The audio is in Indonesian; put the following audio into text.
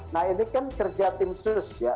nah ini kan kerja tim sus ya